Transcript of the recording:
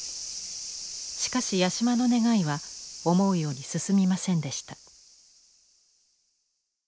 しかし八島の願いは思うように進みませんでした。